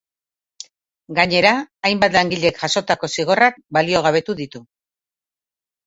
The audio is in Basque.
Gainera, hainbat langilek jasotako zigorrak baliogabetu ditu.